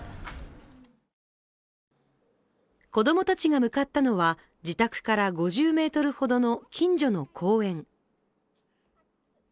子供たちが向かったのは自宅から５０ｍほどの近所の公園。